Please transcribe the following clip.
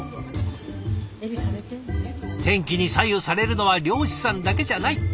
天気に左右されるのは漁師さんだけじゃない。